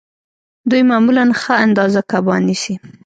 دوی معمولاً ښه اندازه کبان نیسي